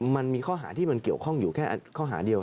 มันมีข้อหาที่มันเกี่ยวข้องอยู่แค่ข้อหาเดียว